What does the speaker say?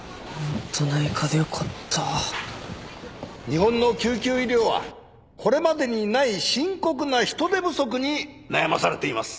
日本の救急医療はこれまでにない深刻な人手不足に悩まされています。